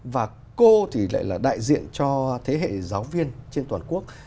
và cô thì lại là đại diện cho thế hệ giáo viên trên toàn quốc